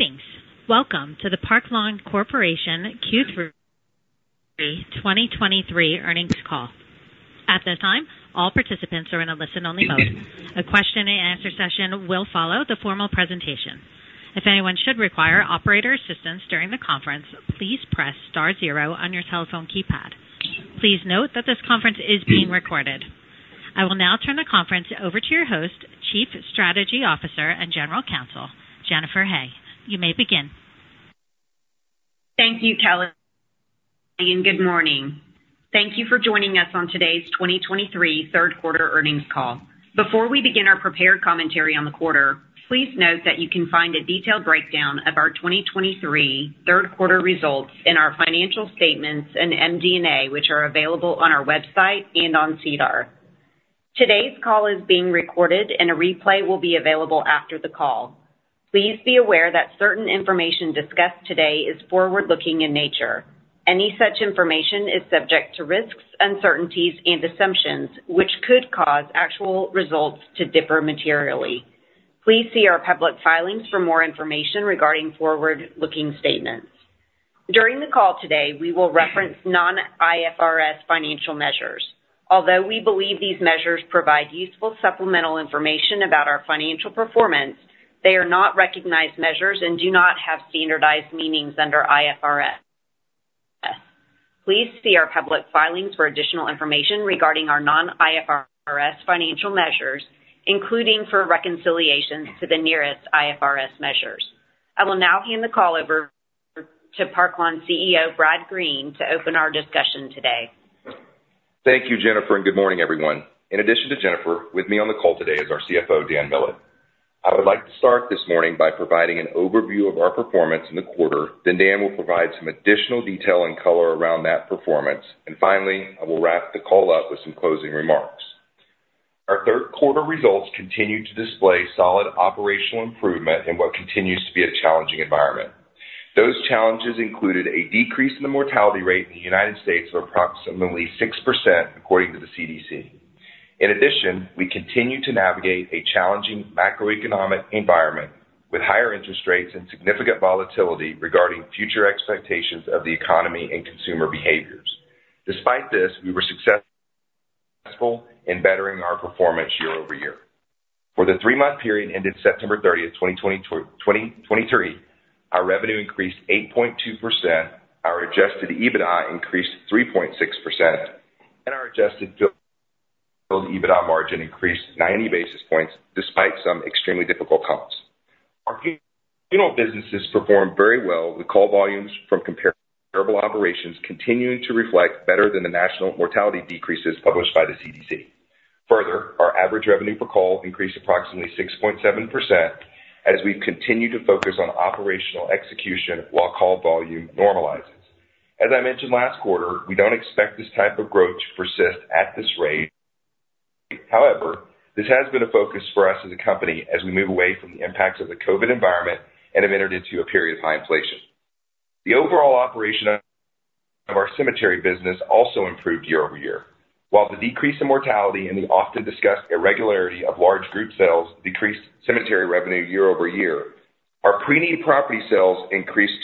Greetings. Welcome to the Park Lawn Corporation Q3 2023 earnings call. At this time, all participants are in a listen-only mode. A question and answer session will follow the formal presentation. If anyone should require operator assistance during the conference, please press star zero on your telephone keypad. Please note that this conference is being recorded. I will now turn the conference over to your host, Chief Strategy Officer and General Counsel, Jennifer Hay. You may begin. Thank you, Kelly, and good morning. Thank you for joining us on today's 2023 third quarter earnings call. Before we begin our prepared commentary on the quarter, please note that you can find a detailed breakdown of our 2023 third quarter results in our financial statements and MD&A, which are available on our website and on SEDAR. Today's call is being recorded, and a replay will be available after the call. Please be aware that certain information discussed today is forward-looking in nature. Any such information is subject to risks, uncertainties and assumptions, which could cause actual results to differ materially. Please see our public filings for more information regarding forward-looking statements. During the call today, we will reference non-IFRS financial measures. Although we believe these measures provide useful supplemental information about our financial performance, they are not recognized measures and do not have standardized meanings under IFRS.Please see our public filings for additional information regarding our non-IFRS financial measures, including for reconciliations to the nearest IFRS measures. I will now hand the call over to Park Lawn CEO, Brad Green, to open our discussion today. Thank you, Jennifer, and good morning, everyone. In addition to Jennifer, with me on the call today is our CFO, Dan Millett. I would like to start this morning by providing an overview of our performance in the quarter. Then Dan will provide some additional detail and color around that performance. And finally, I will wrap the call up with some closing remarks. Our third quarter results continued to display solid operational improvement in what continues to be a challenging environment. Those challenges included a decrease in the mortality rate in the United States of approximately 6%, according to the CDC. In addition, we continue to navigate a challenging macroeconomic environment with higher interest rates and significant volatility regarding future expectations of the economy and consumer behaviors. Despite this, we were successful in bettering our performance year-over-year. For the three-month period ended September 30, 2023, our revenue increased 8.2%, our Adjusted EBITDA increased 3.6%, and our Adjusted EBITDA margin increased 90 basis points, despite some extremely difficult comps. Our funeral businesses performed very well, with call volumes from comparable operations continuing to reflect better than the national mortality decreases published by the CDC. Further, our average revenue per call increased approximately 6.7% as we've continued to focus on operational execution while call volume normalizes. As I mentioned last quarter, we don't expect this type of growth to persist at this rate. However, this has been a focus for us as a company as we move away from the impacts of the COVID environment and have entered into a period of high inflation. The overall operation of our cemetery business also improved year-over-year. While the decrease in mortality and the often discussed irregularity of large group sales decreased cemetery revenue year-over-year, our pre-need property sales increased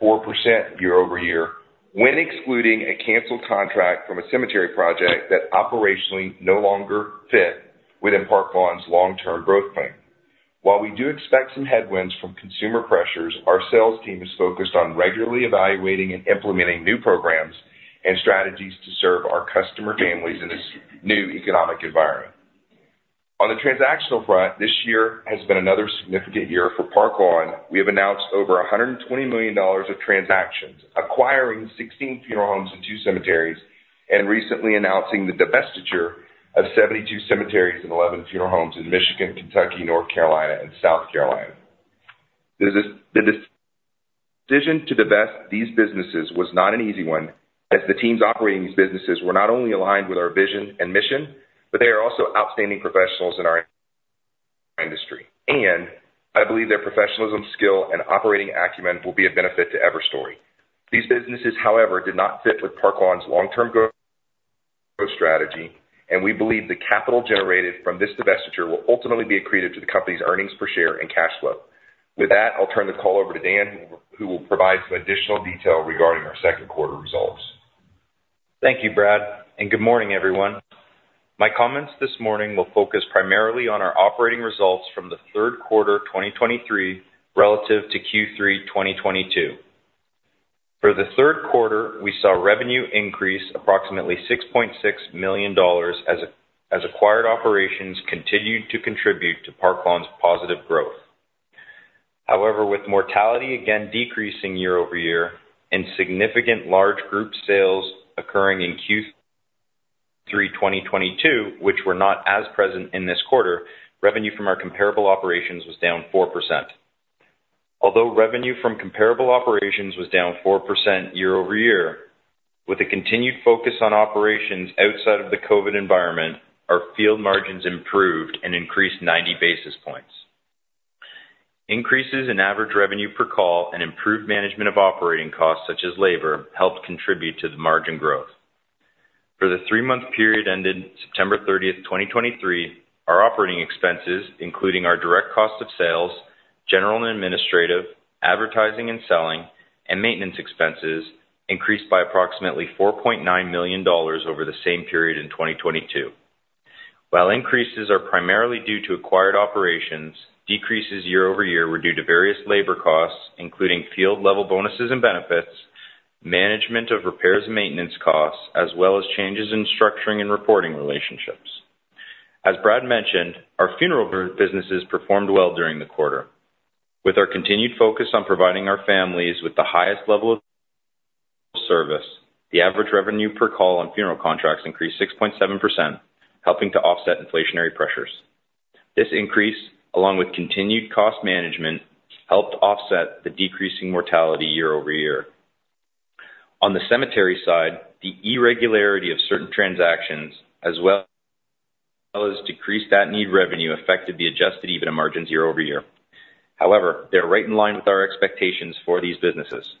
2.4% year-over-year, when excluding a canceled contract from a cemetery project that operationally no longer fit within Park Lawn's long-term growth plan. While we do expect some headwinds from consumer pressures, our sales team is focused on regularly evaluating and implementing new programs and strategies to serve our customer families in this new economic environment. On the transactional front, this year has been another significant year for Park Lawn. We have announced over $120 million of transactions, acquiring 16 funeral homes and 2 cemeteries, and recently announcing the divestiture of 72 cemeteries and 11 funeral homes in Michigan, Kentucky, North Carolina, and South Carolina. The decision to divest these businesses was not an easy one, as the teams operating these businesses were not only aligned with our vision and mission, but they are also outstanding professionals in our industry, and I believe their professionalism, skill and operating acumen will be a benefit to Everstory. These businesses, however, did not fit with Park Lawn's long-term growth strategy, and we believe the capital generated from this divestiture will ultimately be accretive to the company's earnings per share and cash flow. With that, I'll turn the call over to Dan, who will provide some additional detail regarding our second quarter results. Thank you, Brad, and good morning, everyone. My comments this morning will focus primarily on our operating results from the third quarter 2023 relative to Q3 2022. For the third quarter, we saw revenue increase approximately 6.6 million dollars as acquired operations continued to contribute to Park Lawn's positive growth. However, with mortality again decreasing year-over-year and significant large group sales occurring in Q3 2022, which were not as present in this quarter, revenue from our comparable operations was down 4%. Although revenue from comparable operations was down 4% year-over-year, with a continued focus on operations outside of the COVID environment, our field margins improved and increased 90 basis points. Increases in average revenue per call and improved management of operating costs, such as labor, helped contribute to the margin growth. For the three-month period ended September 30th, 2023, our operating expenses, including our direct cost of sales, general and administrative, advertising and selling, and maintenance expenses, increased by approximately 4.9 million dollars over the same period in 2022. While increases are primarily due to acquired operations, decreases year-over-year were due to various labor costs, including field-level bonuses and benefits, management of repairs and maintenance costs, as well as changes in structuring and reporting relationships. As Brad mentioned, our funeral businesses performed well during the quarter. With our continued focus on providing our families with the highest level of service, the average revenue per call on funeral contracts increased 6.7%, helping to offset inflationary pressures. This increase, along with continued cost management, helped offset the decreasing mortality year-over-year. On the cemetery side, the irregularity of certain transactions, as well as decreased at-need revenue, affected the adjusted EBITDA margins year-over-year. However, they're right in line with our expectations for these businesses.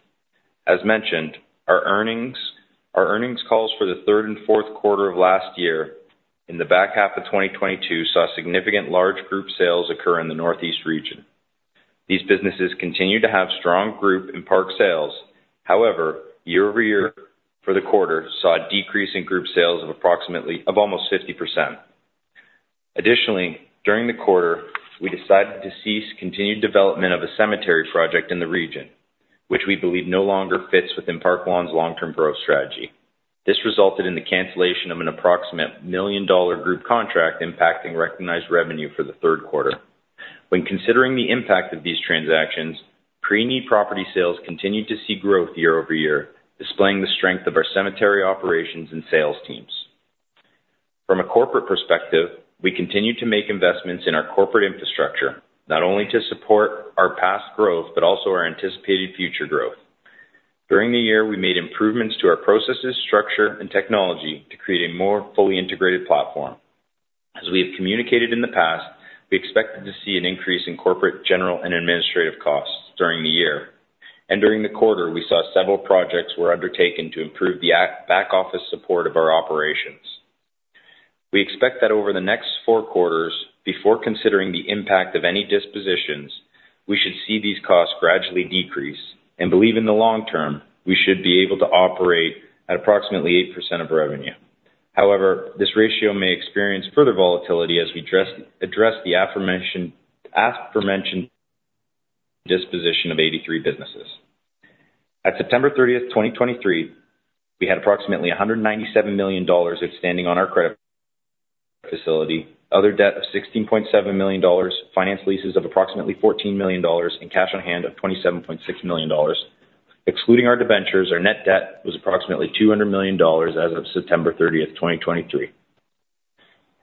As mentioned, our earnings, our earnings calls for the third and fourth quarter of last year, in the back half of 2022, saw significant large group sales occur in the Northeast region. These businesses continue to have strong group and park sales. However, year-over-year for the quarter saw a decrease in group sales of almost 50%. Additionally, during the quarter, we decided to cease continued development of a cemetery project in the region, which we believe no longer fits within Park Lawn's long-term growth strategy. This resulted in the cancellation of an approximate $1 million group contract, impacting recognized revenue for the third quarter. When considering the impact of these transactions, pre-need property sales continued to see growth year over year, displaying the strength of our cemetery operations and sales teams. From a corporate perspective, we continue to make investments in our corporate infrastructure, not only to support our past growth, but also our anticipated future growth. During the year, we made improvements to our processes, structure, and technology to create a more fully integrated platform. As we have communicated in the past, we expected to see an increase in corporate, general, and administrative costs during the year. During the quarter, we saw several projects were undertaken to improve the back office support of our operations. We expect that over the next four quarters, before considering the impact of any dispositions, we should see these costs gradually decrease and believe in the long term, we should be able to operate at approximately 8% of revenue. However, this ratio may experience further volatility as we address the aforementioned disposition of 83 businesses. At September 30, 2023, we had approximately 197 million dollars outstanding on our credit facility, other debt of 16.7 million dollars, finance leases of approximately 14 million dollars, and cash on hand of 27.6 million dollars. Excluding our debentures, our net debt was approximately 200 million dollars as of September 30, 2023.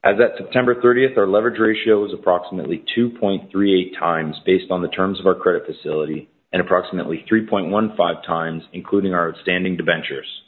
As of September 30, our leverage ratio was approximately 2.38 times, based on the terms of our credit facility, and approximately 3.15 times, including our outstanding debentures.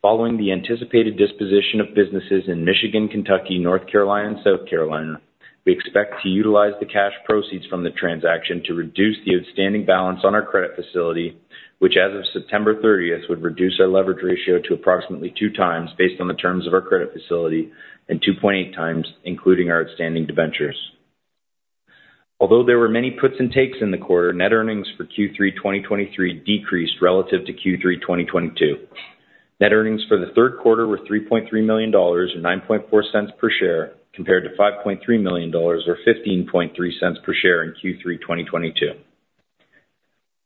Following the anticipated disposition of businesses in Michigan, Kentucky, North Carolina, and South Carolina, we expect to utilize the cash proceeds from the transaction to reduce the outstanding balance on our credit facility, which, as of September 30, would reduce our leverage ratio to approximately 2 times, based on the terms of our credit facility, and 2.8 times, including our outstanding debentures. Although there were many puts and takes in the quarter, net earnings for Q3 2023 decreased relative to Q3 2022. Net earnings for the third quarter were 3.3 million dollars, or 9.4 cents per share, compared to 5.3 million dollars, or 15.3 cents per share in Q3 2022.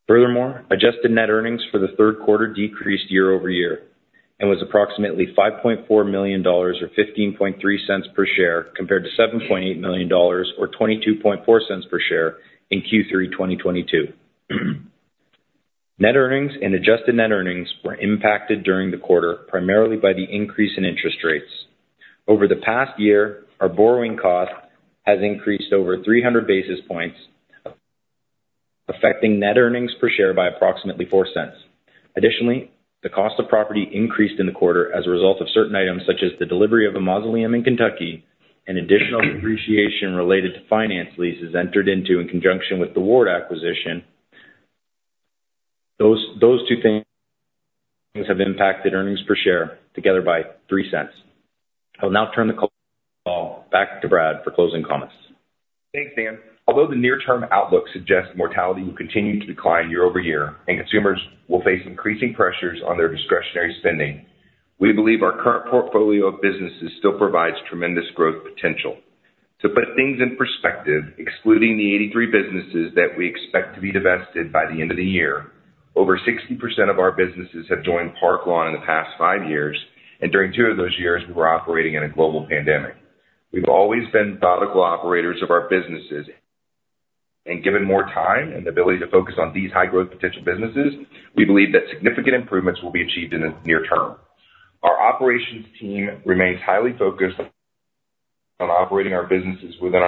Furthermore, adjusted net earnings for the third quarter decreased year-over-year and was approximately 5.4 million dollars, or 15.3 cents per share, compared to 7.8 million dollars, or 22.4 cents per share in Q3 2022. Net earnings and adjusted net earnings were impacted during the quarter, primarily by the increase in interest rates. Over the past year, our borrowing cost has increased over 300 basis points, affecting net earnings per share by approximately 4 cents. Additionally, the cost of property increased in the quarter as a result of certain items, such as the delivery of a mausoleum in Kentucky and additional depreciation related to finance leases entered into in conjunction with the Ward acquisition. Those two things have impacted earnings per share together by 0.03. I'll now turn the call back to Brad for closing comments. Thanks, Dan. Although the near-term outlook suggests mortality will continue to decline year-over-year and consumers will face increasing pressures on their discretionary spending, we believe our current portfolio of businesses still provides tremendous growth potential. To put things in perspective, excluding the 83 businesses that we expect to be divested by the end of the year, over 60% of our businesses have joined Park Lawn in the past 5 years, and during 2 of those years, we were operating in a global pandemic. We've always been thoughtful operators of our businesses, and given more time and the ability to focus on these high-growth potential businesses, we believe that significant improvements will be achieved in the near term. Our operations team remains highly focused on operating our businesses within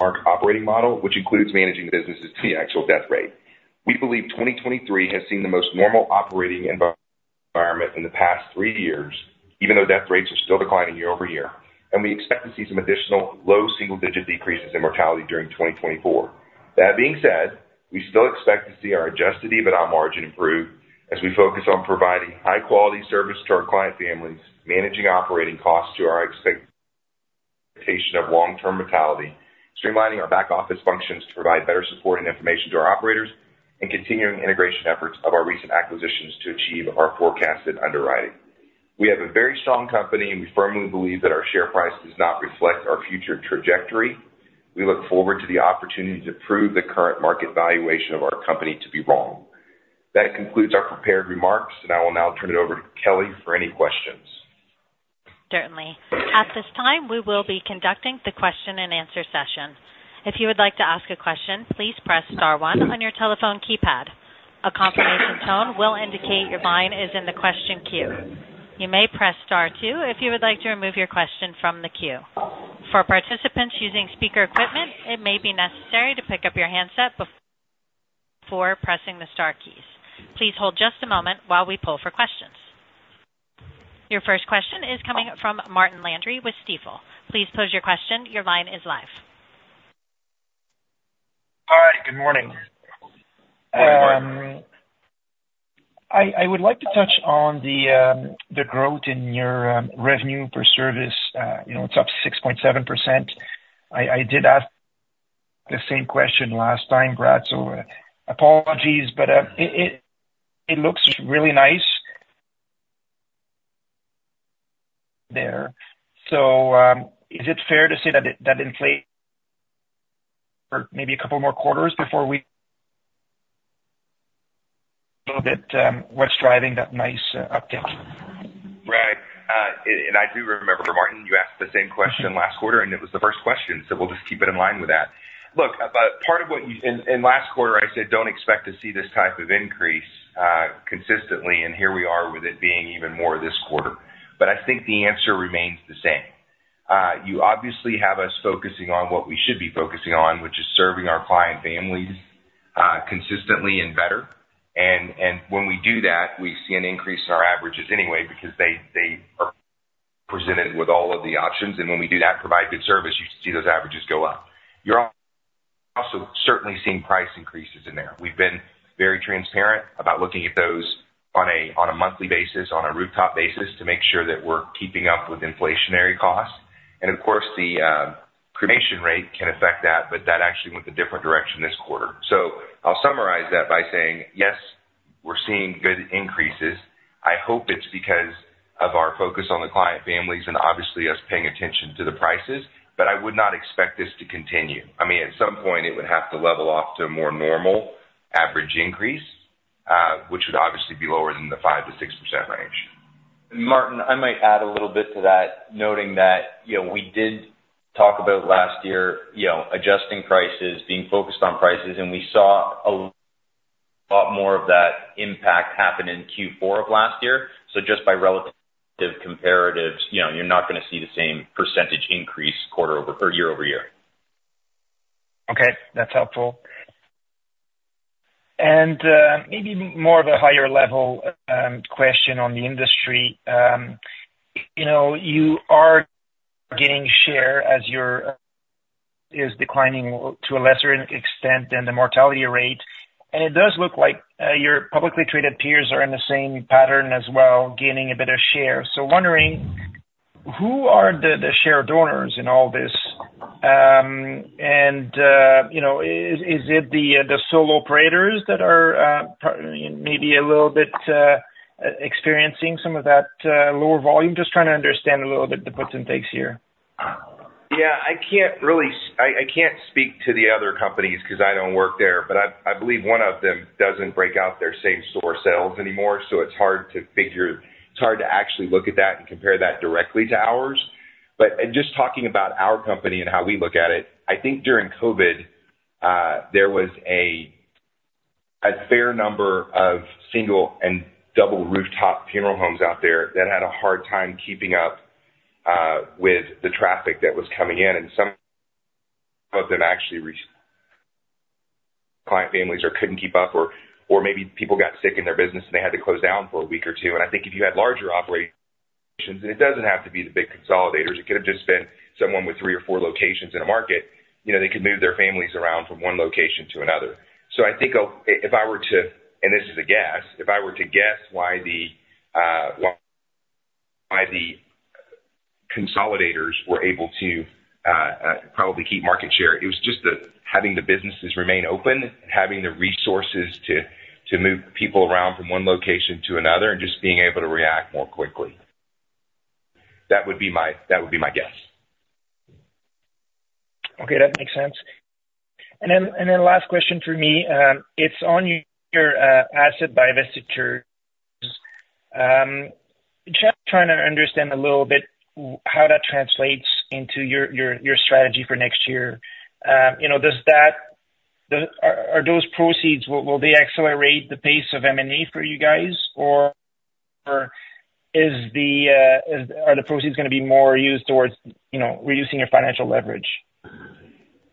our operating model, which includes managing businesses to the actual death rate. We believe 2023 has seen the most normal operating environment in the past three years, even though death rates are still declining year-over-year, and we expect to see some additional low single-digit decreases in mortality during 2024. That being said, we still expect to see our Adjusted EBITDA margin improve as we focus on providing high-quality service to our client families, managing operating costs to our expectation of long-term mortality, streamlining our back office functions to provide better support and information to our operators, and continuing integration efforts of our recent acquisitions to achieve our forecasted underwriting. We have a very strong company, and we firmly believe that our share price does not reflect our future trajectory. We look forward to the opportunity to prove the current market valuation of our company to be wrong. That concludes our prepared remarks, and I will now turn it over to Kelly for any questions. Certainly. At this time, we will be conducting the question-and-answer session. If you would like to ask a question, please press star one on your telephone keypad. A confirmation tone will indicate your line is in the question queue. You may press star two if you would like to remove your question from the queue. For participants using speaker equipment, it may be necessary to pick up your handset before pressing the star keys. Please hold just a moment while we pull for questions. Your first question is coming from Martin Landry with Stifel. Please pose your question. Your line is live. Hi, good morning. Good morning. I would like to touch on the growth in your revenue per service. You know, it's up 6.7%. I did ask the same question last time, Brad, so apologies, but it looks really nice there. So, is it fair to say that it that inflate for maybe a couple more quarters before we...? A little bit, what's driving that nice update? Right. And I do remember, Martin, you asked the same question last quarter, and it was the first question, so we'll just keep it in line with that. Look, but part of what you and, and last quarter, I said, "Don't expect to see this type of increase, consistently," and here we are with it being even more this quarter. But I think the answer remains the same. You obviously have us focusing on what we should be focusing on, which is serving our client families consistently and better. And, and when we do that, we see an increase in our averages anyway, because they, they are presented with all of the options. And when we do that, provide good service, you see those averages go up. You're also certainly seeing price increases in there. We've been very transparent about looking at those on a monthly basis, on a rooftop basis, to make sure that we're keeping up with inflationary costs. Of course, the cremation rate can affect that, but that actually went a different direction this quarter. I'll summarize that by saying, yes, we're seeing good increases. I hope it's because of our focus on the client families and obviously us paying attention to the prices, but I would not expect this to continue. I mean, at some point, it would have to level off to a more normal average increase, which would obviously be lower than the 5% to 6% range. Martin, I might add a little bit to that, noting that, you know, we did talk about last year, you know, adjusting prices, being focused on prices, and we saw a lot more of that impact happen in Q4 of last year. So just by relative comparatives, you know, you're not going to see the same percentage increase quarter-over- or year-over-year. Okay, that's helpful. Maybe more of a higher level question on the industry. You know, you are getting share as yours is declining to a lesser extent than the mortality rate, and it does look like your publicly traded peers are in the same pattern as well, gaining a bit of share. So wondering, who are the share donors in all this? And, you know, is it the solo operators that are maybe a little bit experiencing some of that lower volume? Just trying to understand a little bit the puts and takes here. Yeah, I can't really—I can't speak to the other companies because I don't work there, but I believe one of them doesn't break out their same store sales anymore, so it's hard to figure... It's hard to actually look at that and compare that directly to ours. But just talking about our company and how we look at it, I think during COVID, there was a fair number of single and double rooftop funeral homes out there that had a hard time keeping up with the traffic that was coming in, and some of them actually reached client families or couldn't keep up or maybe people got sick in their business, and they had to close down for a week or two. I think if you had larger operations, and it doesn't have to be the big consolidators, it could have just been someone with three or four locations in a market, you know, they could move their families around from one location to another. So I think if I were to, and this is a guess, if I were to guess why the, why the consolidators were able to, probably keep market share, it was just the having the businesses remain open and having the resources to move people around from one location to another and just being able to react more quickly. That would be my, that would be my guess. Okay, that makes sense. And then last question for me, it's on your asset divestitures. Just trying to understand a little bit how that translates into your strategy for next year. You know, does that... Are those proceeds will they accelerate the pace of M&A for you guys? Or are the proceeds going to be more used towards, you know, reducing your financial leverage?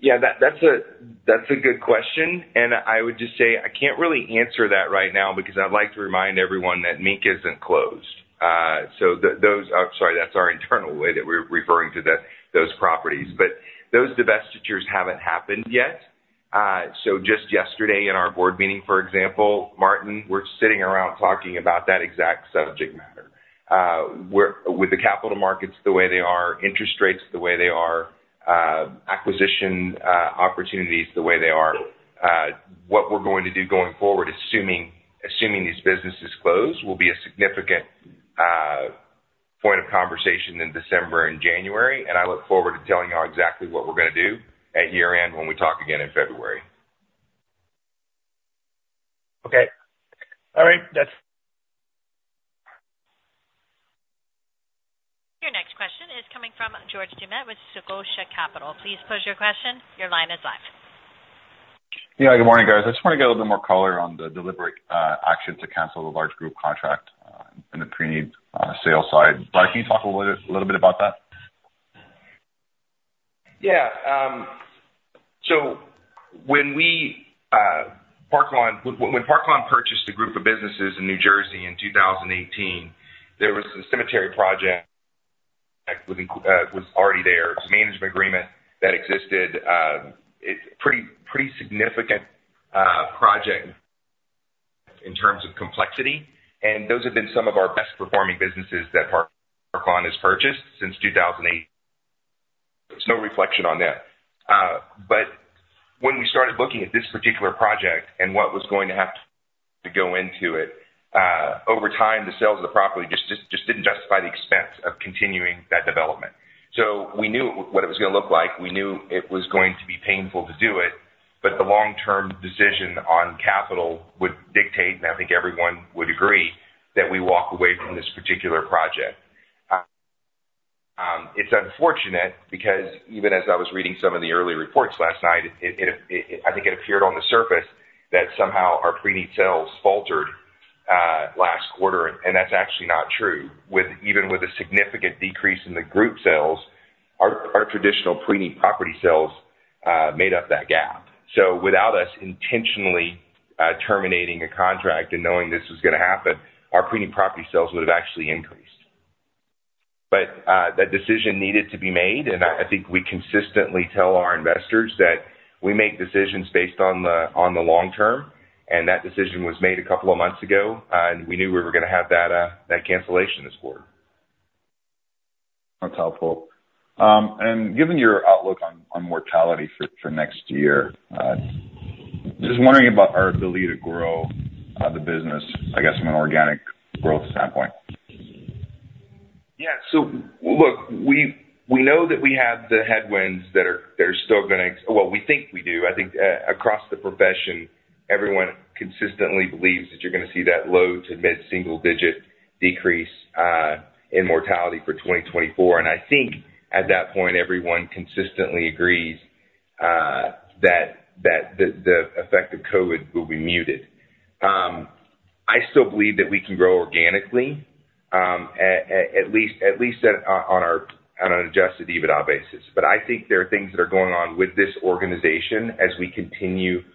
Yeah, that, that's a, that's a good question, and I would just say I can't really answer that right now because I'd like to remind everyone that the ink isn't dry. So those, I'm sorry, that's our internal way that we're referring to the, those properties. But those divestitures haven't happened yet. So just yesterday in our board meeting, for example, Martin, we're sitting around talking about that exact subject matter. With the capital markets the way they are, interest rates the way they are, acquisition opportunities, the way they are, what we're going to do going forward, assuming, assuming these businesses close, will be a significant point of conversation in December and January. And I look forward to telling you all exactly what we're gonna do at year-end when we talk again in February. Okay. All right, that's- Your next question is coming from George Doumet with Scotiabank. Please pose your question. Your line is live. Yeah, good morning, guys. I just want to get a little bit more color on the deliberate action to cancel the large group contract in the pre-need sales side. Brad, can you talk a little bit, little bit about that? Yeah. So when we, Park Lawn, when Park Lawn purchased a group of businesses in New Jersey in 2018, there was a cemetery project that was already there, it's a management agreement that existed. It's pretty significant project in terms of complexity, and those have been some of our best performing businesses that Park Lawn has purchased since 2018. There's no reflection on that. But when we started looking at this particular project and what was going to have to go into it, over time, the sales of the property just didn't justify the expense of continuing that development. So we knew what it was gonna look like. We knew it was going to be painful to do it, but the long-term decision on capital would dictate, and I think everyone would agree, that we walk away from this particular project. It's unfortunate because even as I was reading some of the early reports last night, I think it appeared on the surface that somehow our preneed sales faltered last quarter, and that's actually not true. With even with a significant decrease in the group sales, our traditional preneed property sales made up that gap. So without us intentionally terminating a contract and knowing this was gonna happen, our preneed property sales would have actually increased. But, that decision needed to be made, and I think we consistently tell our investors that we make decisions based on the long term, and that decision was made a couple of months ago, and we knew we were gonna have that cancellation this quarter. That's helpful. Given your outlook on mortality for next year, just wondering about our ability to grow the business, I guess, from an organic growth standpoint. Yeah. So look, we, we know that we have the headwinds that are, that are still gonna... Well, we think we do. I think across the profession, everyone consistently believes that you're gonna see that low- to mid-single-digit decrease in mortality for 2024. And I think at that point, everyone consistently agrees that the effect of COVID will be muted. I still believe that we can grow organically at least on an Adjusted EBITDA basis. But I think there are things that are going on with this organization as we continue to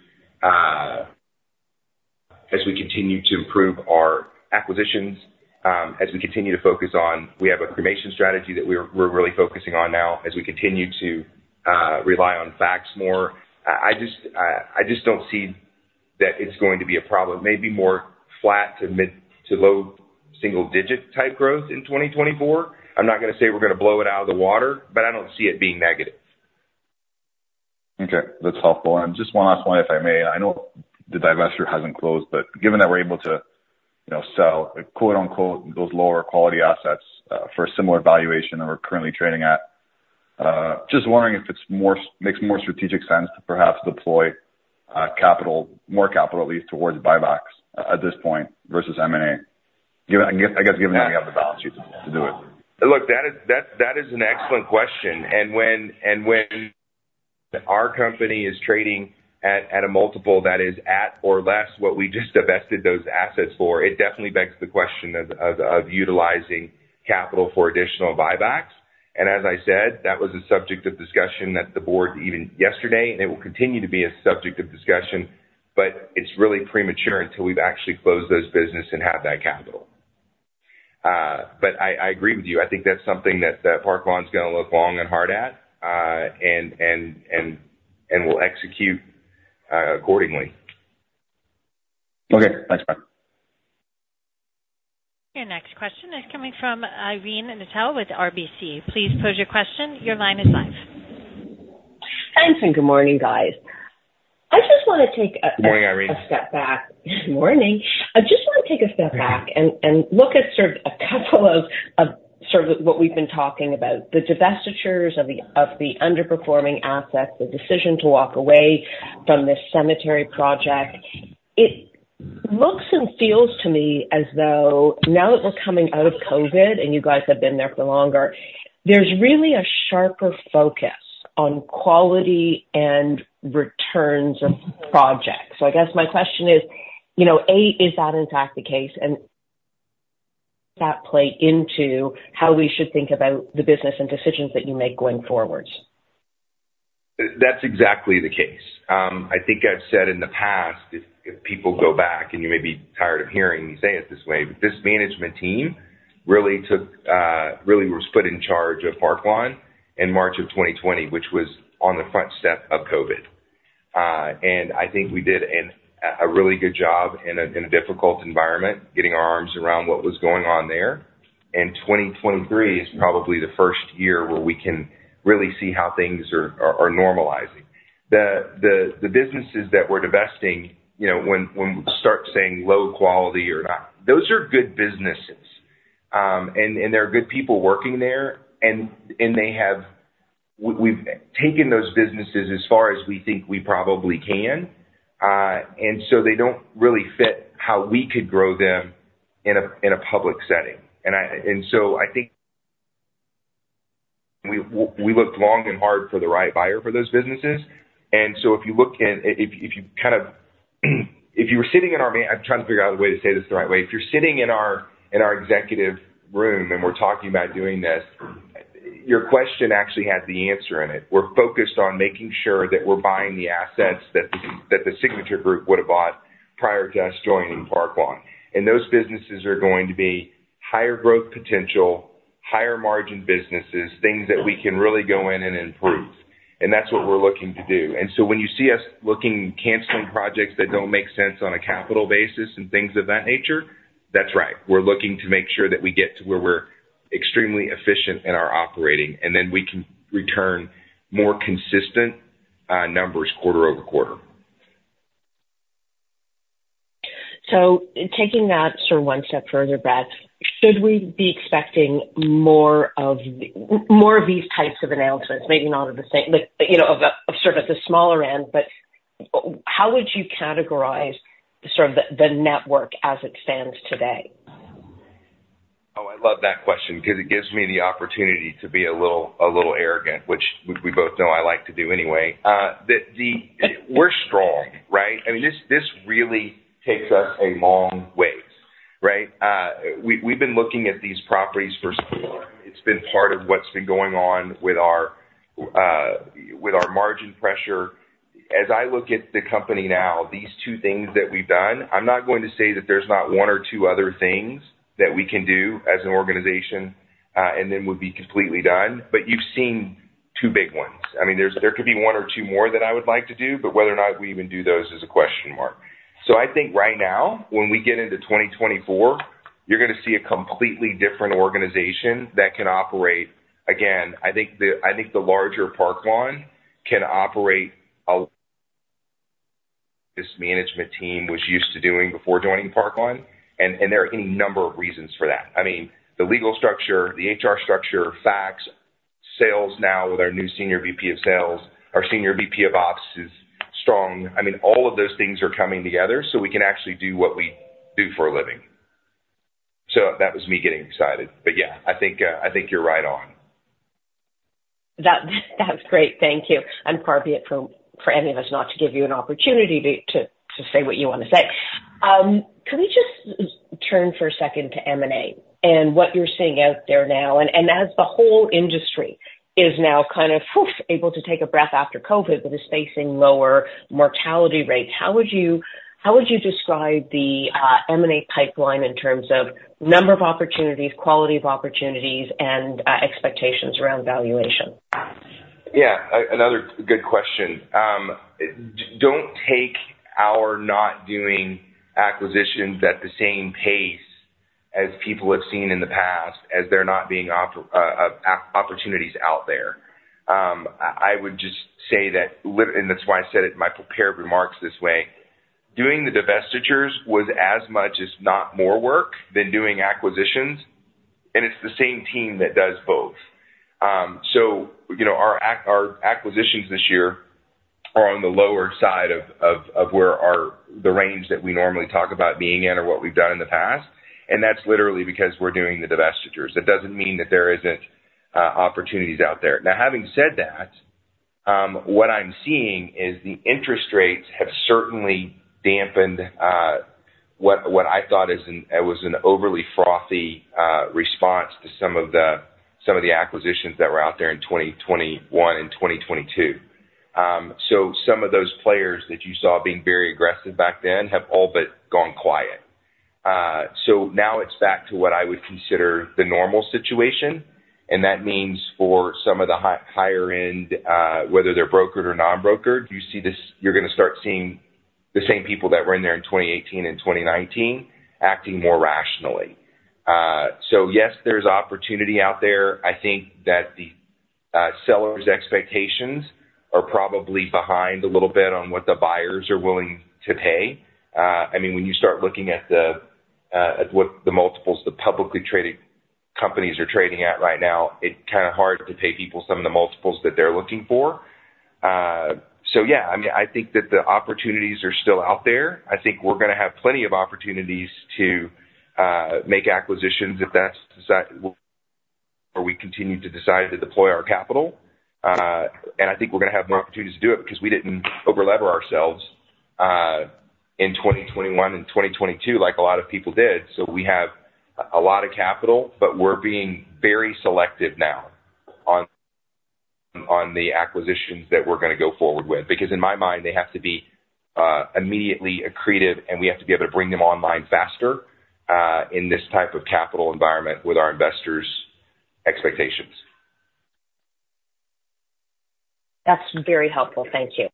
improve our acquisitions, as we continue to focus on, we have a cremation strategy that we're really focusing on now, as we continue to rely on facts more. I just don't see that it's going to be a problem, maybe more flat to mid- to low single digit type growth in 2024. I'm not gonna say we're gonna blow it out of the water, but I don't see it being negative. Okay, that's helpful. Just one last one, if I may. I know the divestiture hasn't closed, but given that we're able to, you know, sell, quote-unquote, those lower quality assets for a similar valuation that we're currently trading at, just wondering if it makes more strategic sense to perhaps deploy capital, more capital at least, towards buybacks at this point versus M&A, given, I guess, given that you have the balance sheet to do it. Look, that is an excellent question. When our company is trading at a multiple that is at or less what we just divested those assets for, it definitely begs the question of utilizing capital for additional buybacks. And as I said, that was a subject of discussion at the board even yesterday, and it will continue to be a subject of discussion, but it's really premature until we've actually closed those businesses and have that capital. But I agree with you. I think that's something that Park Lawn's gonna look long and hard at, and will execute accordingly. Okay. Thanks, Brad. Your next question is coming from Irene Nattel with RBC. Please pose your question. Your line is live. Thanks, and good morning, guys. I just want to take a- Good morning, Irene. a step back. Morning! I just want to take a step back and look at sort of a couple of sort of what we've been talking about, the divestitures of the underperforming assets, the decision to walk away from this cemetery project. It looks and feels to me as though now that we're coming out of COVID, and you guys have been there for longer, there's really a sharper focus on quality and returns of projects. So I guess my question is, you know, A, is that in fact the case? And does that play into how we should think about the business and decisions that you make going forward?... That's exactly the case. I think I've said in the past, if people go back, and you may be tired of hearing me say it this way, but this management team really took, really was put in charge of Park Lawn in March of 2020, which was on the front step of COVID. And I think we did a really good job in a difficult environment, getting our arms around what was going on there. And 2023 is probably the first year where we can really see how things are normalizing. The businesses that we're divesting, you know, when we start saying low quality or not, those are good businesses, and there are good people working there, and they have, we've taken those businesses as far as we think we probably can. And so they don't really fit how we could grow them in a public setting. And so I think we looked long and hard for the right buyer for those businesses. And so if you look at... If you kind of were sitting in our executive room and we're talking about doing this, your question actually has the answer in it. We're focused on making sure that we're buying the assets that the Signature Group would have bought prior to us joining Park Lawn. And those businesses are going to be higher growth potential, higher margin businesses, things that we can really go in and improve. And that's what we're looking to do. And so when you see us looking, canceling projects that don't make sense on a capital basis and things of that nature, that's right. We're looking to make sure that we get to where we're extremely efficient in our operating, and then we can return more consistent numbers quarter over quarter. Taking that sort of one step further, Brad, should we be expecting more of, more of these types of announcements? Maybe not of the same, but, you know, of a, sort of the smaller end, but how would you categorize sort of the network as it stands today? Oh, I love that question because it gives me the opportunity to be a little arrogant, which we both know I like to do anyway. We're strong, right? I mean, this really takes us a long way, right? We've been looking at these properties for so long. It's been part of what's been going on with our margin pressure. As I look at the company now, these two things that we've done, I'm not going to say that there's not one or two other things that we can do as an organization, and then we'll be completely done. But you've seen two big ones. I mean, there could be one or two more that I would like to do, but whether or not we even do those is a question mark. So I think right now, when we get into 2024, you're gonna see a completely different organization that can operate... Again, I think the larger Park Lawn can operate. This management team was used to doing before joining Park Lawn, and there are any number of reasons for that. I mean, the legal structure, the HR structure, facts, sales now with our new senior VP of sales, our senior VP of ops is strong. I mean, all of those things are coming together, so we can actually do what we do for a living. So that was me getting excited. But, yeah, I think you're right on. That, that's great. Thank you. And far be it from, for any of us, not to give you an opportunity to say what you want to say. Can we just turn for a second to M&A and what you're seeing out there now? And as the whole industry is now kind of oof able to take a breath after COVID, but is facing lower mortality rates, how would you describe the M&A pipeline in terms of number of opportunities, quality of opportunities, and expectations around valuation? Yeah, another good question. Don't take our not doing acquisitions at the same pace as people have seen in the past, as there not being opportunities out there. I would just say that and that's why I said it in my prepared remarks this way: Doing the divestitures was as much as not more work than doing acquisitions, and it's the same team that does both. So, you know, our acquisitions this year are on the lower side of where our the range that we normally talk about being in or what we've done in the past, and that's literally because we're doing the divestitures. That doesn't mean that there isn't opportunities out there. Now, having said that, what I'm seeing is the interest rates have certainly dampened what I thought was an overly frothy response to some of the acquisitions that were out there in 2021 and 2022. So some of those players that you saw being very aggressive back then have all but gone quiet. So now it's back to what I would consider the normal situation, and that means for some of the higher end, whether they're brokered or non-brokered, you're gonna start seeing the same people that were in there in 2018 and 2019 acting more rationally. So yes, there's opportunity out there. I think that the seller's expectations are probably behind a little bit on what the buyers are willing to pay. I mean, when you start looking at the, at what the multiples the publicly traded companies are trading at right now, it's kind of hard to pay people some of the multiples that they're looking for. So yeah, I mean, I think that the opportunities are still out there. I think we're gonna have plenty of opportunities to make acquisitions if that's de- or we continue to decide to deploy our capital. And I think we're gonna have more opportunities to do it because we didn't overlever ourselves in 2021 and 2022, like a lot of people did. So we have-... a lot of capital, but we're being very selective now on the acquisitions that we're going to go forward with, because in my mind, they have to be immediately accretive, and we have to be able to bring them online faster in this type of capital environment with our investors' expectations. That's very helpful. Thank you.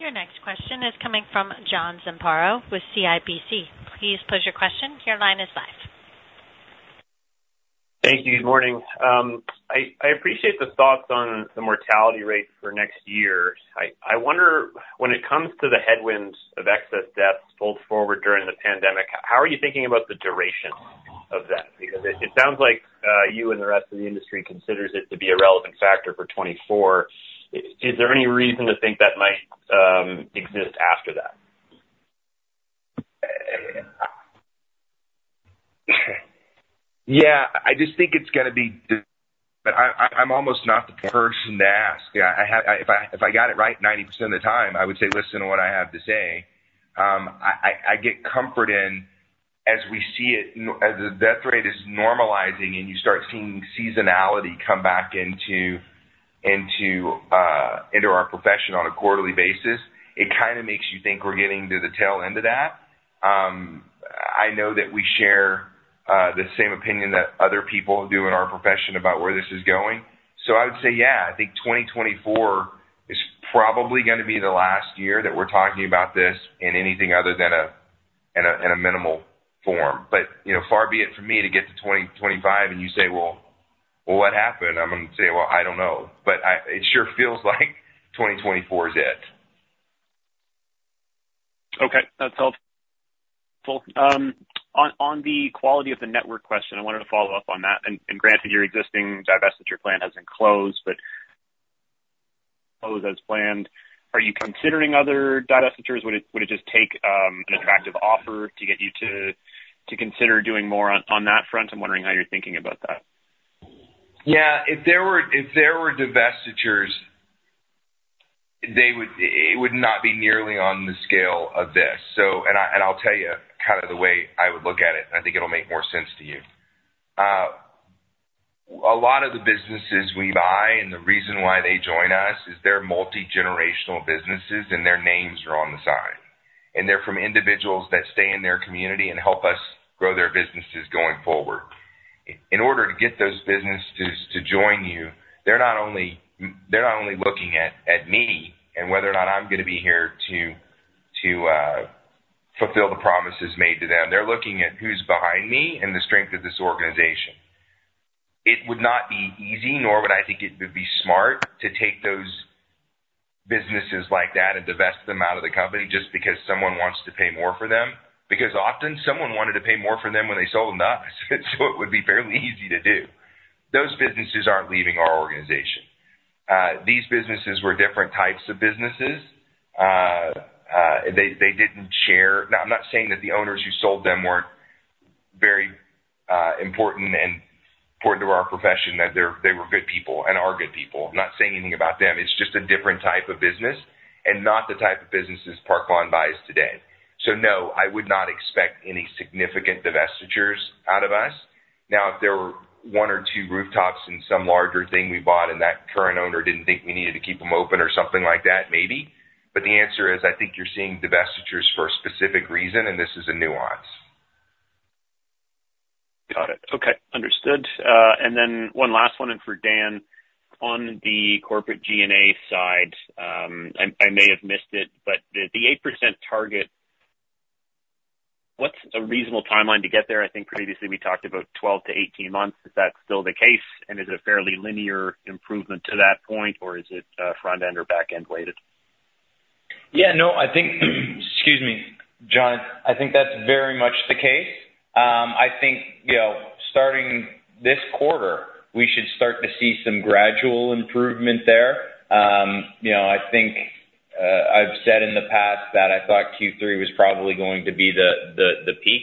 Your next question is coming from John Zamparo with CIBC. Please pose your question. Your line is live. Thank you. Good morning. I appreciate the thoughts on the mortality rate for next year. I wonder, when it comes to the headwinds of excess deaths pulled forward during the pandemic, how are you thinking about the duration of that? Because it sounds like you and the rest of the industry considers it to be a relevant factor for 2024. Is there any reason to think that might exist after that? Yeah, I just think it's gonna be but I, I'm almost not the person to ask. Yeah, I have -- if I got it right 90% of the time, I would say, "Listen to what I have to say." I get comfort in as we see it, as the death rate is normalizing and you start seeing seasonality come back into our profession on a quarterly basis, it kind of makes you think we're getting to the tail end of that. I know that we share the same opinion that other people do in our profession about where this is going. So I would say, yeah, I think 2024 is probably gonna be the last year that we're talking about this in anything other than a minimal form. But, you know, far be it for me to get to 2025, and you say, "Well, what happened?" I'm gonna say, "Well, I don't know," but it sure feels like 2024 is it. Okay, that's helpful. On the quality of the network question, I wanted to follow up on that, and granted, your existing divestiture plan hasn't closed, but closed as planned. Are you considering other divestitures? Would it just take an attractive offer to get you to consider doing more on that front? I'm wondering how you're thinking about that. Yeah, if there were, if there were divestitures, they would... It would not be nearly on the scale of this. So, and I'll tell you kind of the way I would look at it, and I think it'll make more sense to you. A lot of the businesses we buy, and the reason why they join us, is they're multigenerational businesses, and their names are on the side, and they're from individuals that stay in their community and help us grow their businesses going forward. In order to get those businesses to join you, they're not only, they're not only looking at me and whether or not I'm gonna be here to fulfill the promises made to them. They're looking at who's behind me and the strength of this organization. It would not be easy, nor would I think it would be smart, to take those businesses like that and divest them out of the company just because someone wants to pay more for them, because often someone wanted to pay more for them when they sold them to us, so it would be fairly easy to do. Those businesses aren't leaving our organization. These businesses were different types of businesses. They didn't share... Now, I'm not saying that the owners who sold them weren't very important and important to our profession, that they're, they were good people and are good people. I'm not saying anything about them. It's just a different type of business and not the type of businesses Park Lawn buys today. So no, I would not expect any significant divestitures out of us. Now, if there were one or two rooftops in some larger thing we bought, and that current owner didn't think we needed to keep them open or something like that, maybe. But the answer is, I think you're seeing divestitures for a specific reason, and this is a nuance. Got it. Okay, understood. And then one last one, and for Dan, on the corporate G&A side, I may have missed it, but the 8% target, what's a reasonable timeline to get there? I think previously we talked about 12 to 18 months. Is that still the case? And is it a fairly linear improvement to that point, or is it, front-end or back-end weighted? Yeah, no, I think, excuse me, John, I think that's very much the case. I think, you know, starting this quarter, we should start to see some gradual improvement there. You know, I think, I've said in the past that I thought Q3 was probably going to be the peak.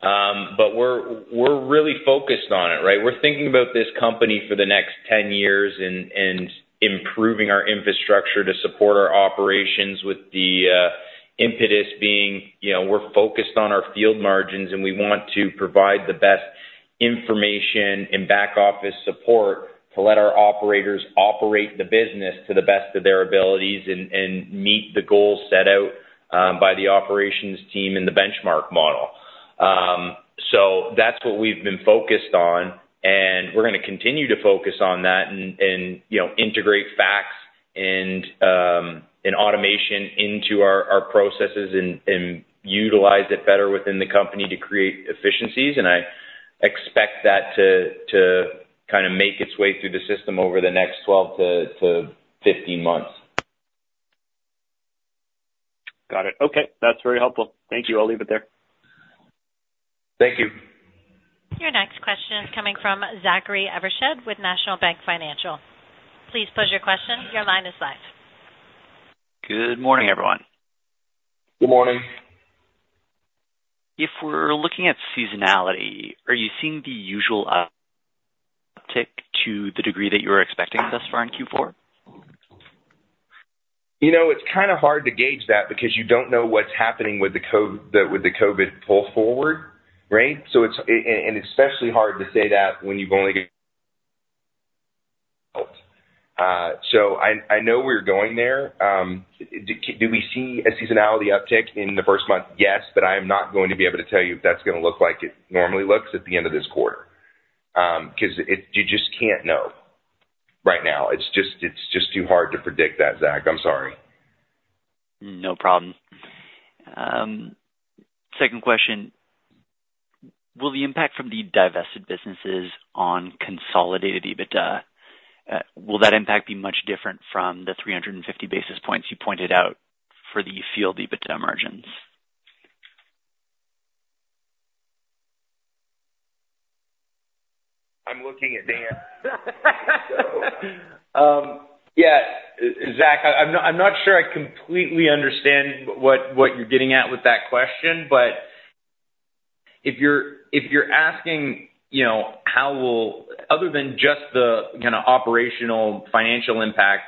But we're really focused on it, right? We're thinking about this company for the next 10 years and improving our infrastructure to support our operations with the impetus being, you know, we're focused on our field margins, and we want to provide the best information and back office support to let our operators operate the business to the best of their abilities and meet the goals set out by the operations team and the benchmark model. That's what we've been focused on, and we're gonna continue to focus on that and, you know, integrate facts and automation into our processes and utilize it better within the company to create efficiencies. I expect that to kind of make its way through the system over the next 12 to 15 months. Got it. Okay. That's very helpful. Thank you. I'll leave it there. Thank you. Your next question is coming from Zachary Evershed with National Bank Financial. Please pose your question. Your line is live. Good morning, everyone. Good morning. If we're looking at seasonality, are you seeing the usual uptick to the degree that you were expecting thus far in Q4? You know, it's kind of hard to gauge that because you don't know what's happening with the COVID pull forward, right? So it's, and especially hard to say that when you've only got, so I know we're going there. Do we see a seasonality uptick in the first month? Yes, but I am not going to be able to tell you if that's gonna look like it normally looks at the end of this quarter. Because you just can't know right now. It's just, it's just too hard to predict that, Zach. I'm sorry. No problem. Second question: Will the impact from the divested businesses on consolidated EBITDA, will that impact be much different from the 350 basis points you pointed out for the field EBITDA margins? I'm looking at Dan. So, yeah, Zach, I'm not, I'm not sure I completely understand what, what you're getting at with that question, but if you're, if you're asking, you know, how will... Other than just the kind of operational financial impact,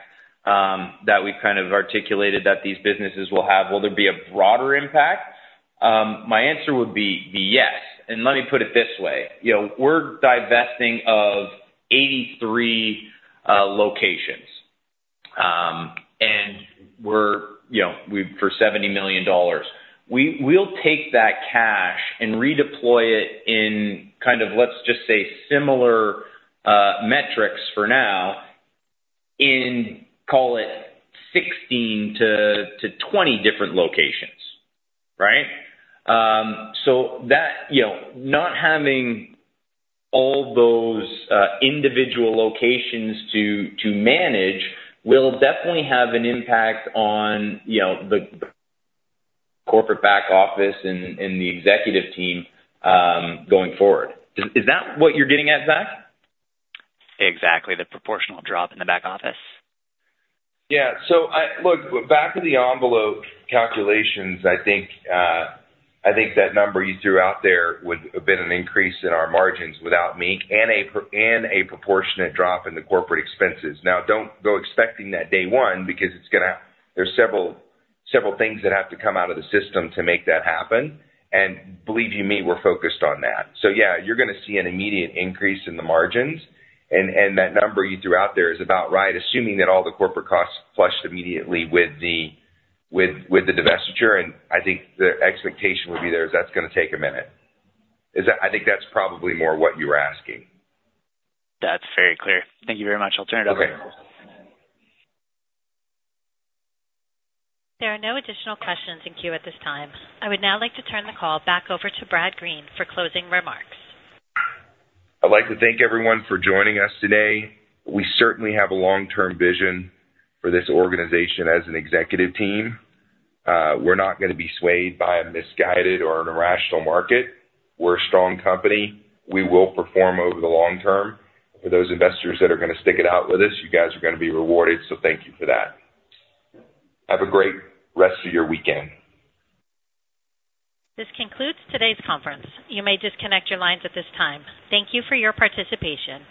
that we've kind of articulated that these businesses will have, will there be a broader impact? My answer would be yes. And let me put it this way: You know, we're divesting of 83 locations, and we're, you know, for $70 million. We'll take that cash and redeploy it in kind of, let's just say, similar, metrics for now, in, call it 16 to 20 different locations, right? So that, you know, not having all those individual locations to manage will definitely have an impact on, you know, the corporate back office and the executive team going forward. Is that what you're getting at, Zach? Exactly. The proportional drop in the back office. Yeah. So look, back of the envelope calculations, I think, I think that number you threw out there would have been an increase in our margins without them in it and a proportionate drop in the corporate expenses. Now, don't go expecting that day one, because there's several, several things that have to come out of the system to make that happen, and believe you me, we're focused on that. So yeah, you're gonna see an immediate increase in the margins, and that number you threw out there is about right, assuming that all the corporate costs flushed immediately with the divestiture, and I think the expectation would be there is that's gonna take a minute. I think that's probably more what you were asking. That's very clear. Thank you very much. I'll turn it over. Okay. There are no additional questions in queue at this time. I would now like to turn the call back over to Brad Green for closing remarks. I'd like to thank everyone for joining us today. We certainly have a long-term vision for this organization as an executive team. We're not gonna be swayed by a misguided or an irrational market. We're a strong company. We will perform over the long term. For those investors that are gonna stick it out with us, you guys are gonna be rewarded, so thank you for that. Have a great rest of your weekend. This concludes today's conference. You may disconnect your lines at this time. Thank you for your participation.